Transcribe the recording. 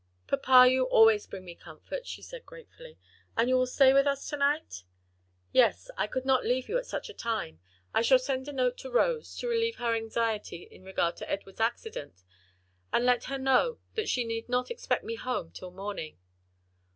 "Papa, you always bring me comfort," she said gratefully. "And you will stay with us to night?" "Yes; I could not leave you at such a time. I shall send a note to Rose, to relieve her anxiety in regard to Edward's accident, and let her know that she need not expect me home till morning.